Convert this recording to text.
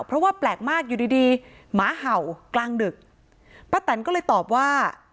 เพราะว่าแปลกมากอยู่ดีดีหมาเห่ากลางดึกป้าแตนก็เลยตอบว่า